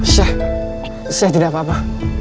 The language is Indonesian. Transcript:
syekh syekh tidak apa apa